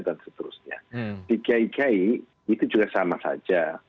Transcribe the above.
di gai gai itu juga sama saja